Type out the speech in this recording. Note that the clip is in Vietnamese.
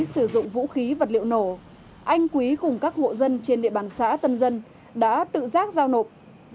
sử dụng vũ khí vật liệu nổ anh quý cùng các hộ dân trên địa bàn xã tân dân đã tự giác giao nộp